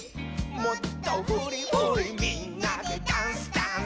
「もっとフリフリみんなでダンスダンス！」